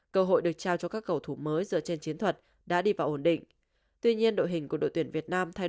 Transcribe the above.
cơ hội được trao cho các cầu thủ mới dựa trên chiến thuật đã đi vào ổn định